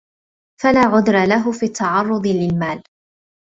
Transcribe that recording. فَلَا عُذْرَ لَهُ فِي التَّعَرُّضِ لِلْمَالِ